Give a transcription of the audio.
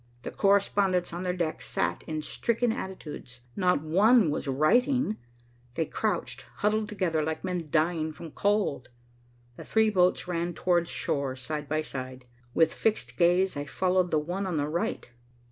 The correspondents on their decks sat in stricken attitudes. Not one was writing. They crouched, huddled together, like men dying from cold. The three boats ran towards shore, side by side. With fixed gaze I followed the one on the right.